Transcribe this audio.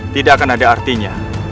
tidak akan ada artinya